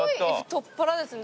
太っ腹ですね。